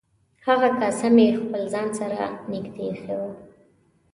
هغه کاسه مې خپل ځان سره نږدې ایښې وه.